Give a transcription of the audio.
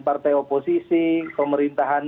partai oposisi pemerintahan